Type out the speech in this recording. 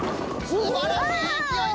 すばらしいいきおい！